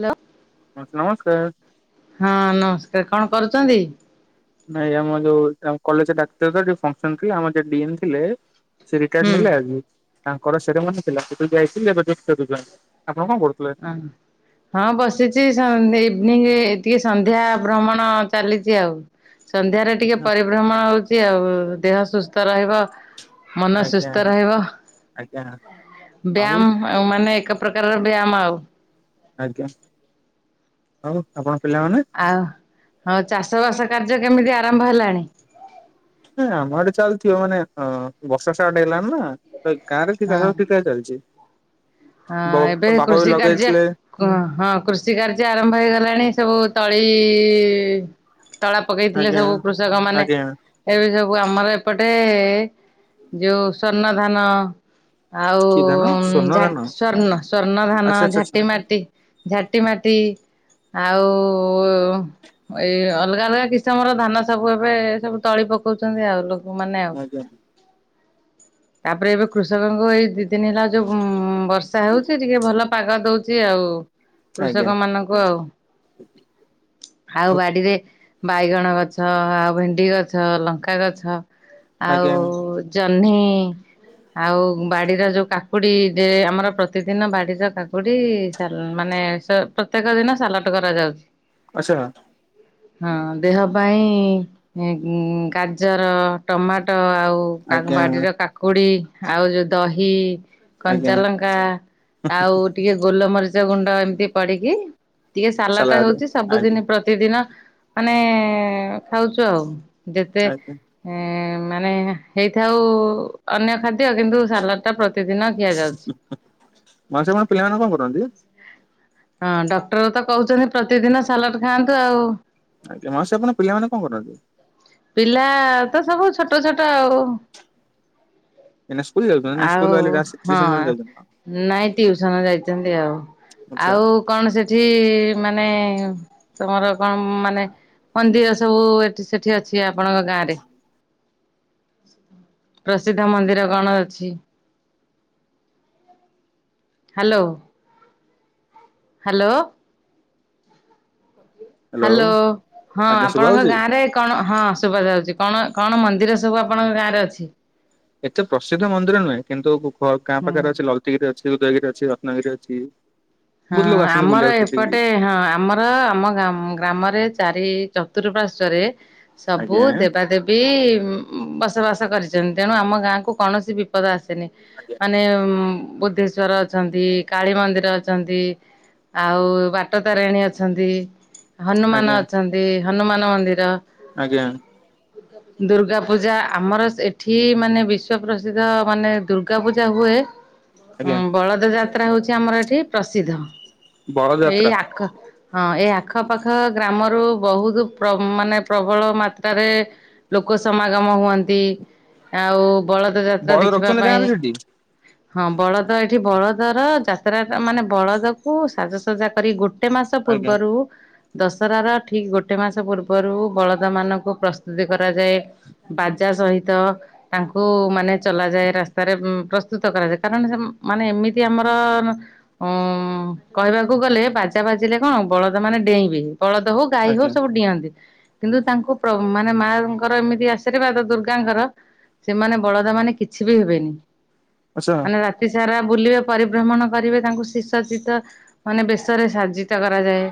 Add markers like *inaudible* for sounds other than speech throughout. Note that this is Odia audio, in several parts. ହ୍ୟାଲୋ। ହଁ ନମସ୍କାର। ହଁ ନମସ୍କାର। କଣ କରୁଚନ୍ତି? ନାଇଁ ଆମର ଯୋଉ ଅଙ୍କଲ ସିଏ ଡାକୁଥିଲେ ତ ଟିକେ ଫଙ୍କସନ୍ ଥିଲା, ଆମର ଯିଏ ଡିଏମ୍ ଥିଲେ ସେ ରିଟାୟାର୍ ହୁଁ ନେଲେ ଆଜି, ତାଙ୍କର ସେରିମନି ଥିଲା ସେଠିକି ଯାଇଥିଲି ଏବେ ଜଷ୍ଟ ଫେରୁଚୁ ଆମେ ଅ ହଁ ବସିଚି ସନ୍ ଇଭିନିଂ ଟିକେ ସନ୍ଧ୍ୟା ଭ୍ରମଣ ଚାଲିଚି ଆଉ। ସନ୍ଧ୍ୟାରେ ଟିକେ ପରିଭ୍ରମଣ ହଉଛି ଆଉ ଦେହ ସୁସ୍ଥ ରହିବ ମନ ଆଚ୍ଛା ଆଜ୍ଞା ସୁସ୍ଥ ରହିବ ଆଜ୍ଞା ଆଉ ବ୍ୟାୟାମ ଆଉ ମାନେ ଏକ ପ୍ରକାରର ବ୍ୟାୟାମ ଆଉ। ଆଜ୍ଞା। ଆଉ ଆପଣ ପିଲାମାନେ? ଆଉ, ହଉ ଚାଷ ବାସ କାର୍ଯ୍ୟ କେମିତି ଆରମ୍ଭ ହେଲାଣି? ହଁ ଆମ ଆଡେ ଚାଲିଥିବ ମାନ ଅ ବର୍ଷା ଷ୍ଟାର୍ଟ ହେଲା ହେଲା ଏ ଗାଁରେ କି ହଁ। ଚାଷବାସ ଠିକ୍ ଠାକ୍ ଚାଲିଚି। ହଁ ଏବେ କୃଷି କାର୍ଯ୍ୟ ଲଗେଇଥିଲେ କ ହଁ କୃଷି କାର୍ଯ୍ୟ ଆରମ୍ଭ ହେଇଗଲାଣି ସବୁ ତଳି ତଳା ପକେଇଥିଲେ ଆଜ୍ଞା ସବୁ କୃଷକ ମାନେ ଆଜ୍ଞା ଏବେ ସବୁ ଆମର ଏପଟେ ଯୋଉ ସ୍ୱର୍ଣ୍ଣ ଧାନ କି ଧାନ ଆଉ ସ୍ଵର୍ଣ୍ଣ ଝା ଧାନ? ସ୍ଵର୍ଣ୍ଣ ସ୍ୱର୍ଣ୍ଣ ଆଚ୍ଛା ଧାନ, ଆଚ୍ଛା ଝାଟି ମାଟି, ଝାଟି ମାଟି ଆଉ ଏଇ ଅଲଗା ଅଲଗା କିସମର ଧାନ ସବୁ ଏବେ ସବୁ ତଳି ପକଉଚନ୍ତି ଆଉ ଲୋକ ମାନେ ଆଉ। ଆଚ୍ଛା ଆଜ୍ଞା ତାପରେ ଏବେ କୃଷକଙ୍କ ଏଇ ଦି ଦିନି ହେଲା ଯୋଉ ଉମ୍ ବର୍ଷା ହଉଛି ଟିକେ ଭଲ ପାଗ ଦଉଛି ଆଉ। ଆଜ୍ଞା କୃଷକମାନଙ୍କୁ ଆଉ। ଆଉ ବାଡିରେ ବାଇଗଣ ଗଛ, ଆଉ ଭେଣ୍ଡି ଗଛ, ଲଙ୍କା ଗଛ ଆଉ ଆଜ୍ଞା ଜହ୍ନି ଜହ୍ନି ଆଉ ବାଡିର ଯୋଉ କାକୁଡି ଯେ ଆମ ର ପ୍ରତିଦିନ ବାଡିର କାକୁଡି ସାଲ ମାନେ ପ୍ରତ୍ୟେକ ଦିନ ସାଲଟ୍ କରାଯାଉଛି। ଆଚ୍ଛା। ହଁ ଦେହ ପାଇଁ ଇଁ ଗାଜର, ଟମାଟୋ ଆଉ ଓଉ କାକୁ ଆଜ୍ଞା ବାଡିର କାକୁଡି ଆଉ ଯୋଉ ଦହି, ଆଜ୍ଞା। କଞ୍ଚାଲଙ୍କା ଲଙ୍କା ଆଉ ଟିକେ ଗୋଲମରିଚ ଗୁଣ୍ଡ ଏମତି ପଡିକି ଟିକେ ସାଲାଟ ସାଲାଡ ହଉଛି ଆଜ୍ଞା ସବୁଦିନ ପ୍ରତିଦିନ ମାନେ ଖାଉଛୁ ଆଉ ଯେତେ ଆଜ୍ଞା ଇଁ ମାନେ ହେଇଥାଉ ଅନ୍ୟ ଖାଦ୍ୟ କିନ୍ତୁ ସାଲାଟ୍ ଟା ପ୍ରତିଦିନ ଖିଆଯାଉଛି। ମାଉସୀ ଆପଣଙ୍କ ପିଲାମାନେ କଣ କରନ୍ତି? ହଁ ଡକ୍ଟର ତ କହୁଛନ୍ତି ପ୍ରତିଦିନ ସାଲାଟ୍ ଖାଆନ୍ତୁ ଆଉ। ଆଜ୍ଞା ମାଉସୀ ଆପଣ ପିଲାମାନେ କଣ କରନ୍ତି? ପିଲା ତ ସବୁ ଛୋଟ ଛୋଟ ଆଉ। ଏଇନା ସ୍କୁଲ ଯାଉଛନ୍ତି ନା ଆଉ ସ୍କୁଲରୁ ଆଇଲେ *unintelligible* ହଁ ଟ୍ୟୁସନ୍ ଯାଉଛନ୍ତି? ନାଇଁ ଟିଉସନ ଯାଇଚନ୍ତି ଆଉ। ଆଚ୍ଛା ଆଉ କଣ ସେଠି ମାନେ ତମର କଣ ମାନେ ମନ୍ଦିର ସବୁ ଏଠି ସେଠି ଅଛି ଆପଣଙ୍କ ଗାଁରେ? ପ୍ରସିଦ୍ଧ ମନ୍ଦିର କଣ ଅଛି? ହ୍ୟାଲୋ। ହ୍ୟାଲୋ। ହ୍ୟାଲୋ ହଁ ଆଜ୍ଞା ଶୁଭା ଆପଣଙ୍କ ହଉଛି? ଗାଁରେ କଣ ହଁ ଶୁଭାଯାଉଛି। କଣ କଣ ମନ୍ଦି ନ୍ଦିର ସବୁ ଆପଣଙ୍କ ଗାଁରେ ଅଛି? ଏତେ ପ୍ରସିଦ୍ଧ ମନ୍ଦିର ନୁହେଁ କିନ୍ତୁ ବୁ ଗାଁ ହୁଁ। ପାଖରେ ଅଛି ଲଳିତଗିରି ଅଛି ଉଦୟଗିରି ଅଛି, ରତ୍ନଗିରି ଅଛି ହଁ ବହୁତ ଲୋକ ଆସନ୍ତି ଆମର ବୁଲିବାକୁ ସେଠିକି ଏପଟେ ହଁ ଆମର ଆମ ଗାମ ଗ୍ରାମରେ ଚାରି ଏ ଚତୁର୍ଃପାଶ୍ଵରେ ସବୁ ଆଜ୍ଞା ଦେବାଦେବୀ ବସବାସ କରିଛନ୍ତି ତେଣୁ ଆମ ଗାଁ କୁ କୌଣସି ବିପଦ ଆସେନି ମାନେ ବୁଦ୍ଧେଶ୍ଵର ଅଛନ୍ତି, କାଳୀ ମନ୍ଦିର ଅ ଛନ୍ତି ଆଉ ବାଟ ତାରିଣୀ ଅଛନ୍ତି, ଆଜ୍ଞା ହନୁମାନ ଅଛନ୍ତି। ହନୁମାନ ମନ୍ଦିର ଆଜ୍ଞା ଦୁର୍ଗା ପୂଜା ଆମର ଏଠି ମାନେ ବିଶ୍ଵପ୍ରସିଦ୍ଧ ମାନେ ଦୁର୍ଗା ପୂଜା ହୁଏ ହଁ ଆଜ୍ଞା ବଳଦ ଯାତ୍ରା ହଉଛି ଆମର ଏଠି ପ୍ରସିଦ୍ଧ ବଳଦ ଏଇ ଯାତ୍ରା ଆଖ ହଁ ଏ ଆଖପାଖ ଗ୍ରାମରୁ ବହୁତ ପ୍ରବ ମାନେ ପ୍ରବଳ ମାତ୍ରାରେ ଲୋକ ସମାଗମ ହୁଅନ୍ତି ଆଉ ବଳଦ ଯାତ୍ରା ବଳଦ ଦେଖିବା ରଖିଛନ୍ତି ପାଇଁ ଗାଁରେ ସେଠି ହଁ ବଳଦ ଏଠି ବଳଦର ଯାତ୍ରା ମାନେ ବଳଦକୁ ସାଜସଜା କର ଗୋ ଏ ମାସ ଆଜ୍ଞା ପୂର୍ବରୁ ଦଶରାର ଠିକ୍ ଗୋଟେ ମାସ ପୂର୍ବରୁ ବଳଦମାନଙ୍କୁ ପ୍ରସ୍ତୁତି କରି *unintelligible* କରାଯାଏ ବାଜା ସହି ତ ତାଙ୍କୁ ମାନେ ଚଲା ଯାଏ ରାସ୍ତାରେ ପ୍ରସ୍ତୁତ କରାଯାଏ କାରଣ ସେ ମାନେ ଏମିତି ଆମ ଅ ଉଁ କହିବାକୁ ଗଲେ ବାଜା ବାଜିଲେ କଣ ବଳଦ ମାନେ ଡେଇଁବେ। ବଳଦ ହଉ ଗାଈ ହଉ ଆଜ୍ଞା ସବୁ ଡିଅନ୍ତି କିନ୍ତୁ ତାଙ୍କୁ ପ୍ର ମାନେ ମାଙ୍କର ଏମିତି ଆଶୀର୍ବାଦ ଦୁର୍ଗାଙ୍କର ସେମାନେ ବଳଦ ମାନେ କିଛି ବି ହେବେନି ଆଚ୍ଛା ମାନେ ରାତି ସାରା ବୁଲିବେ ପରିଭ୍ରମଣ କରିବେ ତାଙ୍କୁ ସିସଜ୍ଜିତ ମାନେ ବେଶରେ ସାଜ୍ଜିତ କରାଯାଏ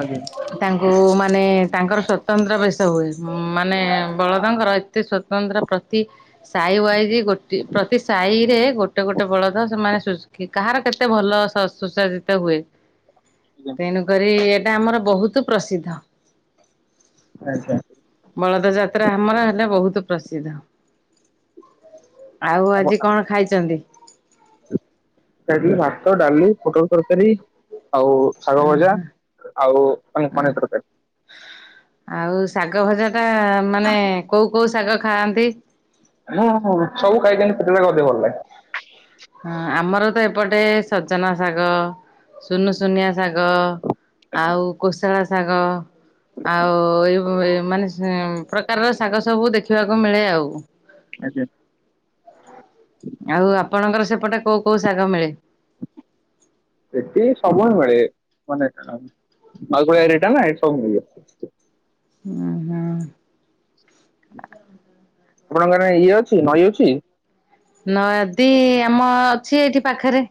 ଆଜ୍ଞା ତାଙ୍କୁ ମାନେ ତାଙ୍କର ସ୍ଵତନ୍ତ୍ର ବେଶ ହୁଏ ଉଁ ମାନେ ବଳଦଙ୍କର ଏତେ ସ୍ଵତନ୍ତ୍ର ପ୍ରତି ସାଇ ୱାଇଜ ଗୋଟି ପ୍ରତି ସାଇରେ ଗୋଟେ ଗୋଟେ ବଳଦ ସେମାନେ ସୁ କାହାର କେତେ ଏତେ ଭଲ ସ ସୁ ସଜ୍ଜିତ ହୁଏ ତେଣୁକରି ଗ୍ରାମର ବହୁତ ପ୍ରସିଦ୍ଧ ଆଚ୍ଛା। ବଳଦ ଯାତ୍ରା ଆମର ହେଲେ ବହୁତ ପ୍ରସିଦ୍ଧ। ଆଉ ଆଜି କଣ ଖାଇଛନ୍ତି? *unintelligible* ଭାତ, ଡାଲି, ପୋଟଳ ତରକାରୀ ଆଉ ଶାଗ ଅ ହ ଭଜା ଆଉ *unintelligible* ଅନେ ଅ ପନିର ତରକାରୀ ଆଉ ଶାଗ ଭଜା ଟା ମାନେ କୋଉ କୋଉ ଶାଗ ଖାଆନ୍ତି? ହୁଁ ହୁଁ ସବୁ ଖାଇକି ନି *unintelligible* ଅଧିକ ଭଲ ଲଗେ। ହଁ ଆମର ତ ଏପଟେ ସଜନା ଶାଗ, ସୁନୁ ସୁନିଆ ଶାଗ ଆଉ କୋଶଳା ଶାଗ ଆଉ ଏଇ ମାନେ ପ୍ରକାରର ଶାଗ ସବୁ ଦେଖିବାକୁ ମିଳେ ଆଉ ଆଚ୍ଛା। ଆଉ ଆପଣଙ୍କର ସେପଟେ କୋଉ କୋଉ ଶାଗ ମିଳେ? ଏଠି ସବୁ ମିଳେ ମାନେ ଖ *unintelligible* ଏରିଆ ଟା ନା ଏଠି ସବୁ ମିଳେ। ଉଁ ହୁଁ। ଆପଣଙ୍କ ଇଏ ଅଛି ନଈ ଅଛି? ନଦି ଆମ ଅଛି ଏଇଠି ପାଖରେ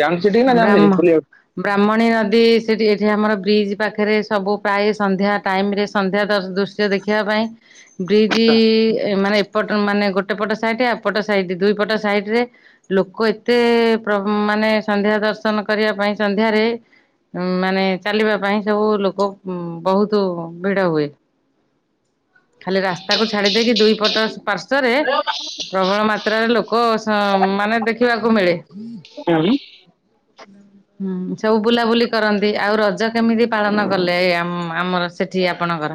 ଯାଆନ୍ତି ସେଠିକି ନା ଯାଆନ୍ତିନି ବ୍ରାହ୍ମ ବୁଲିବାକୁ? ବ୍ରାହ୍ମଣୀ ନଦୀ ସେଠି ଏଠି ଆମର ବ୍ରିଜ୍ ପାଖରେ ସବୁ ପ୍ରାୟ ସନ୍ଧ୍ୟା ଟାଇମ୍ରେ ସନ୍ଧ୍ୟା ଦୃଶ୍ୟ ଦେଖିବା ପାଇଁ ବ୍ରିଜ୍ ଏ ମାନେ ଟ ମାନେ ଗୋଟେ ପଟ ସାଇଟ୍ ଏପଟ ସାଇଟ୍ ଦୁଇ ପଟ ସାଇଟରେ ଲୋକ ଏତେ ପ୍ର ମାନେ ସନ୍ଧ୍ୟା ଦର୍ଶନ କରିବା ପାଇଁ ସନ୍ଧ୍ୟାରେ ମାନେ ଚାଲିବା ପାଇଁ ସବୁ ଲୋକ ବହୁତ ଭିଡ ହୁଏ। ଖାଲି ରାସ୍ତାକୁ ଛାଡି ଦେଇକି ଦୁଇ ପଟ ପାଶ୍ଵ *unintelligible* ପ୍ରବଳ ମାତ୍ରାରେ ଲୋକ ସ ମାନେ ଦେଖିବାକୁ ମିଳେ। ହଁ। ହୁଁ ସବୁ ବୁଲାବୁଲି କରନ୍ତି ଆଉ ରଜ କେମିତି ପାଳନ କଲେ ଏଇ ଆମର ସେଠି? ଆପଣଙ୍କର?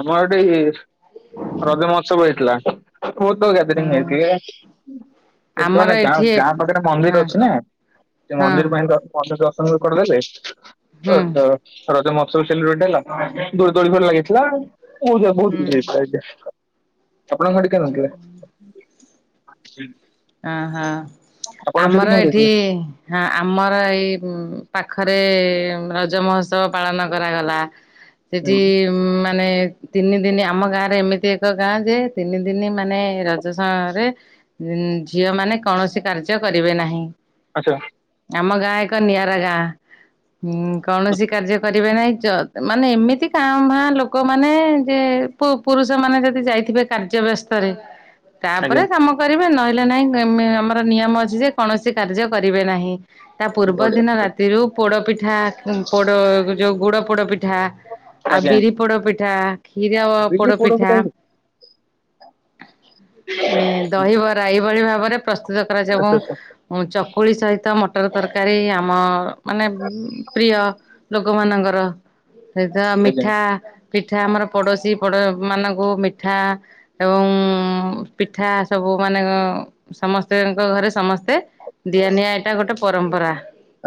ଆମର ଏଇଠି ରଜ ମହୋତ୍ସବ ହେଇଥିଲା। ବୋହୁତ ଲୋକ ଗ୍ୟାଦରିଂ ହଁ ହେଇଥିଲେ ସେଠି ଆମର ମାନେ ଗାଁ ଏଠି ଗାଁ ପାଖରେ ହଁ ମନ୍ଦିର ଅଛି ନା। ସେ ହଁ ମନ୍ଦିର ପାଇଁ ତ ଅଧେ ଦର୍ଶନ ବି କରିଦେଲେ ହୁଁ ତ। ରଜ ମହୋତ୍ସବ ସେଲିବ୍ରେଟ ହେଲା ଦୋ ଦୋଳି ଫୋଲି ଲାଗିଥିଲା ବ ବୋହୁତ ବହୁତ ହୁଁ କିଛି ହେଇଥିଲା। ଆପଣ। *unintelligible* ହ ହଁ ଆମର କେମିତି ଏଇଠି ହେଇଥିଲା? ହଁ ଆମର ଏଇ ପାଖରେ ରଜ ମହୋତ୍ସବ ପାଳନ କରାଗଲା ସେଠି ଉମ ମାନେ ତିନି ଦିନି ଆମ ଗାଁରେ ଏମିତି ଏକ ଗାଁ ଯେ ତିନି ଦିନି ମାନେ ରଜସରେ ଝିଅ ମାନେ କୌଣସି କାର୍ଯ୍ୟ କରିବେ ନାହିଁ। ଆଚ୍ଛା ଆମ ଗାଁ ଏକ ନିଆରା ଗାଁ। ହୁଁ କୌଣସି କାର୍ଯ୍ୟ କରିବେ ନାହିଁ ଚ ମାନେ ଏମିତି କା ଭା ଲୋକମାନେ ଯେ ପୁ ପୁରୁଷ ମାନେ ଯଦି ଯାଇଥିବେ କାର୍ଯ୍ୟ ବ୍ୟସ୍ତରେ। ଆଜ୍ଞା। ତାପରେ କାମ କରିବେ ନହିଲେ ନାହିଁ ଆମର ନିୟମ ଅଛି ଯେ କୌଣସି କାର୍ଯ୍ୟ କରିବେ ନାହିଁ। ତା ପୂର୍ବ ବଢିଆ ଦିନ ବଢିଆ ରାତିରୁ ପୋଡପିଠା ପୋଡ ଯୋଉ ଗୁଡ ପୋଡ ପିଠା ଆଉ ଆଜ୍ଞା ବିରି ପୋଡପିଠା କ୍ଷୀର ବିରି ପୋଡ ପିଠା ପୋଡପିଠା ବି ଏ ଦହିବ ପ୍ରାଇ ଏଇ ଭଳି ଭାବରେ ପ୍ରସ୍ତୁତ କରାଯାଏ ଏବଂ ଚକୁଳି ସହିତ ମଟ ମଟର ତରକାରୀ ଆମ ମାନେ ପ୍ରିୟ ଲୋକମାନଙ୍କର। ସେଇତ ଆଜ୍ଞା ମିଠା ପିଠା ଆମର ପଡ଼ୋଶୀ ବଡ ମାନଙ୍କୁ ମିଠା ଏବଂ ପିଠା ସବୁ ମାନେ ସମସ୍ତଙ୍କ ଘରେ ସମସ୍ତେ ଦିଆ ନିିଆ ଏଇଟା ଗୋଟେ ପରମ୍ପରା।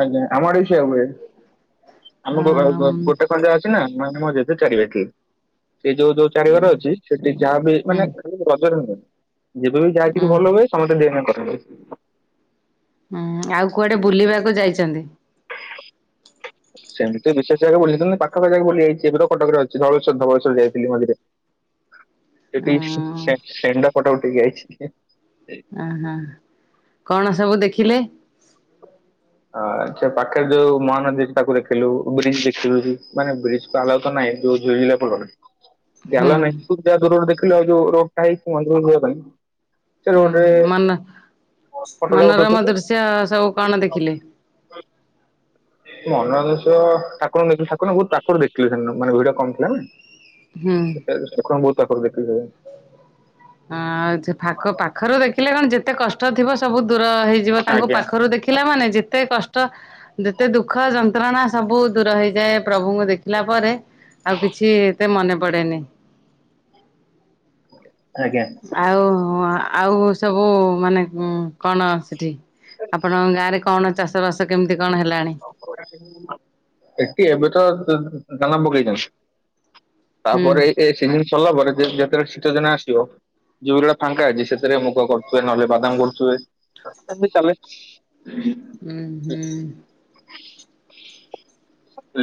ଆଜ୍ଞା ଆମ ଆଡେ ବି ସେଇଆ ହୁଏ ଆମ ହୁଁ ଗୋଟେ *unintelligible* ଅଛି ନା। ମାନେ ମୋ ଜେଜେ *unintelligible* ସେ ଯୋଉ ଯୋଉ ହୁଁ ଚାରିିଘର ଅଛି ସେଠି ଯାହା ବି ହୁଁ ମାନେ ରଜରେ ନୁହେଁ ଯେବେ ବି ଯାଇ କିଛି ଭଲ ହୁଏ ସମସ୍ତେ ଦିଅ ନିଆ କରନ୍ତି। ହୁଁ ଆଉ କୁଆଡେ ବୁଲିବାକୁ ଯାଇଛନ୍ତି? ସେମିତି ତ ବିଶେଷ ଜାଗା ବୁଲିନି ପାଖା ପାଖି ଯାଗା ବୁଲି ଯାଇଛି, ଏବେ ତ କଟକରେ ଅଛି ଧବଳେଶ୍ୱର ଧବଳେଶ୍ୱର ଯାଇଥିଲି ମଝିରେ। ଉଁ ସେଠି ଷେଣ୍ଢ ଫଟ ଉଠେଇକି ଆଇଚି। ଓ ହ କଣ ସବୁ ଦେଖିଲେ? ଆ ସେ ପାଖରେ ଯୋଉ ମହାନଦୀ ତାକୁ ଦେଖିଲୁ, ବ୍ରିଜ୍ ଦେଖିଲୁ ମାନେ ବ୍ରିଜ ତ ଆଲାଉ ତ ନାହିଁ। ସେ ଯୋଉ ଝୁଲିଲା ପୋଲ। ଆଲାଉ ହୁଁ। ନାହିଁ *unintelligible* ଯାହା ଦୂରରେ ଦେଖିଲୁ ଆଉ ଯୋଉ ରୋଡ ଟା ହେଇଛି ମନ୍ଦିର କୁ ଯିବା ପାଇଁ। ସେ ହୁଁ ରୋଡରେ ମନ ଫଟୋ ମନୋରମ ଉଠଉଥିଲୁ ଦୃଶ୍ୟ ସବୁ କଣ ଦେଖିଲେ? ମନୋରଞ୍ଜନ ଦୃଶ୍ୟ ଠାକୁରଙ୍କୁ ଠକୁର ବହୁତ ପାଖରୁ ଦେଖିଥିଲୁ ସେଦିନ ମାନେ ଭିଡ଼ କମ୍ ଥିଲା ହୁଁ। ନା। ସେଖ ବହୁତ *unintelligible* ଆ ପାଖରୁ ଦେଖିଲେ କଣ ଯେତେ କଷ୍ଟ ଥିବ ସବୁ ଦୂର ହେଇଯିବ ତାଙ୍କୁ ଆଜ୍ଞା ପାଖରୁ ଦେଖିଲା ମାନେ ଯେତେ କଷ୍ଟ ଯେତେ ଦୁଃଖ ଯନ୍ତ୍ରଣା ସବୁ ଦୂର ହେଇଯାଏ ପ୍ରଭୁଙ୍କୁ ଦେଖିଲା ପରେ। ଆଉ କିଛି ଏତେ ମନେ ପଡେନି। ହଁ। ଆଉ ଆଉ ସବୁ ମାନେ କଣ ସେଠି? ଆପଣଙ୍କ ଗାଁ ରେ କଣ ଚାଷ ବାସ କେମିତି କଣ ହେ ଏଠି ଏବେ ତ ଦାନା ପକେଇଚନ୍ତୀ। ହୁଁ ତାପରେ ଏ ସିଜିନ ସରିଲା ପରେ ଯେତେବେଳେ ଶୀତ ଦିନ ଆସିବ ଯୋଉ ବିଲଟା ଫାଙ୍କା ଅଛି ସେଥିରେ ମୁଗ କରୁଥିବେ, ନହେଲେ ବାଦାମ କରୁଥିବେ ଏମିତି ଚାଲେ। ହୁଁ ହୁଁ।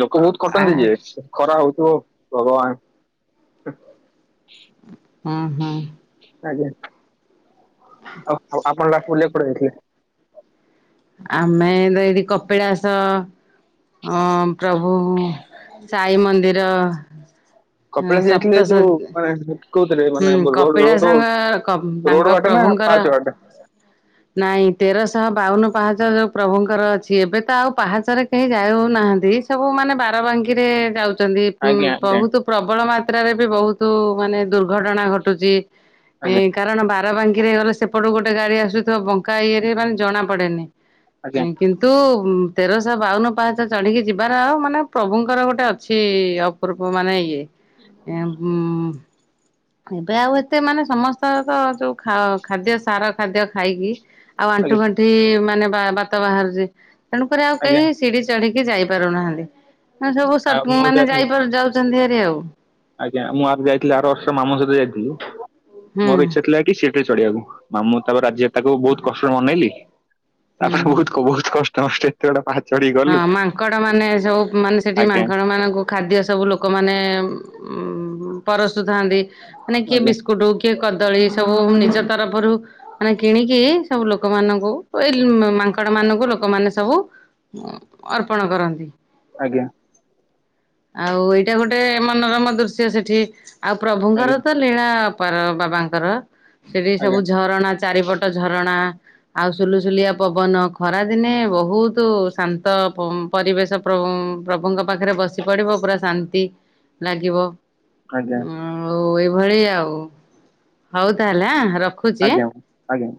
ଲୋକ ବହୁତ ଆ ଖଟନ୍ତି ଯେ ଖରା ହଉଥିବ ଭଗବାନ୍। ହଁ ହଁ। ଆଜ୍ଞା ଆଉ ଆଉ ଆପଣ ଲାଷ୍ଟ ବୁଲିଆକୁ କୁଆଡେ ଯାଇଥିଲେ। ଆମେ ତ ଏଇଠି କପିଳାସ ହଁ ପ୍ରଭୁ ସାଇ ମନ୍ଦିର ହଁ କପିଳାସ ଯାଇଥିଲେ ସପ୍ତସ ଯୋଉ ମାନେ କୋଉଥିରେ ହୁଁ ମାନେ ରୋଡ ରୋଡ କପିଳାସଙ୍କ ରୋଡ ତାଙ୍କ ବାଟେ ନା ପ୍ରଭୁଙ୍କର ପାହାଚ ବାଟେ? ନାଇଁ ତେରଶହ ବାଉନ ପାହାଚ ଯୋଉ ପ୍ରଭୁଙ୍କର ଅଛି, ଏବେ ତ ଆଉ ପାହାଚରେ କେହି ଯାଉନାହାନ୍ତି ସବୁ ମାନେ ବାରବା ଙ୍କି ରେ ଯାଉଛନ୍ତି ଆଜ୍ଞା ଆଜ୍ଞା ବହୁତ ପ୍ରବଳ ମାତ୍ରାରେ ବି ବହୁତ ମାନେ ଦୁର୍ଘଟଣା ଘଟୁଛି ଆଜ୍ଞା କାରଣ ବାରବାଙ୍କିରେ ଗଲେ ସେପଟୁ ଗୋଟେ ଗାଡି ଆସୁଥିବ ବ ଙ୍କା ଇଏରେ ମାନେ ଜଣାପଡେନି ଆଜ୍ଞା। କିନ୍ତୁ ତେରଶହ ବାଉନ ପାହାଞ୍ଚ ଚଢ଼ିକି ଯିବାର ଆଉ ମାନେ ପ୍ରଭୁଙ୍କର ଗୋଟେ ଅଛି ଅପୂର୍ବ ମାନେ ଇଏ। ଏବମ୍ ଏବେ ଆଉ ଏତେ ମାନେ ସମସ୍ତେ ତ ଯୋଉ ଖାଦ୍ୟ ସାର ଖାଦ୍ୟ ଖାଇକି। ଆଉ ଆଜ୍ଞା ଆଣ୍ଠୁଗଣ୍ଠି ମାନେ ବା ବାତ ବାହାରୁଛି, ତେଣୁକରି ଆଉ ଆଜ୍ଞା କେହି ସିଢି ଚଢିକି ଟ ଯାଇପାରୁନାହାନ୍ତି, ଆଉ ସବୁ ମୁଁ ଯା ମାନେ ଯାଇାରୁ ଯାଉଛନ୍ତି ଆରି ଆଉ ଆଜ୍ଞା ମୁଁ ଆର ଯାଇଥିଲି ଆର ବର୍ଷ ମାମୁ ସହିତ ଯାଇଥିଲି, ହୁଁ ମୋର ଇଚ୍ଛା ଥିଲା କି ଚଢିବାକୁ ମାମଁ ତାପରେ ରାଜି ତାକୁ ବହୁତ କଷ୍ଟରେ ମନେଇଲି ତାପରେ ବହୁ ହୁଁ। ବହୁତ କ *unintelligible* ହଁ ମାଙ୍କଡ ମାନେ ସବୁ ମାନେ ସେଠି ଆଜ୍ଞା ମାଙ୍କଡ ମାନଙ୍କୁ ଖାଦ୍ୟ ସବୁ ଲୋକମାନୋନ ଉ ପରସୁଥାନ୍ତି, ମାନେ କିଏ ଆଜ୍ଞା ବିସ୍କୁଟ କିଏଦ ଦଳି ସବୁ ନିଜ ତରଫରୁ, ମାନେ କିଣିକି ସବୁ ଲୋକମାନାନଙ୍କୁ ଏଇ ମାଙ୍କଡ଼ ମାନଙ୍କୁ ଲୋକମାନେ ସବୁ ଅର୍ପଣ କରନ୍ତି। ଆଜ୍ଞା ଆଉ ଏଇଟା ଗୋଟେ ମନୋରମ ଦୃଶ୍ୟ ସେଠି। ଆଉ ଆଜ୍ଞା ପ୍ରଭୁଙ୍କରତ ଲୀଳାଅପାର ବାବାଙ୍କର ସେଠି ସବୁ ଆଜ୍ଞା ଝରଣା ଚାରିପଟ ଝରଣା ଆଉ ସୁଲୁସୁଲିଆ ପବନ, ଖରାଦିନେ ବହୁତ ଶାନ୍ତ ପରିବେଶ ପ୍ର ପ୍ରଭୁଙ୍କ ପାଖରେ ବସି ପଡିବ ପୁରା ଶାନ୍ତି। ଲାଗିବ ଆଜ୍ଞା ଭଳି ଆଉ, ହଉ ତାହେଲେ ରଖ ଆଜ୍ଞା ଆଜ୍ଞା